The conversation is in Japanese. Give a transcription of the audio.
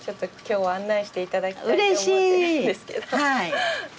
はい。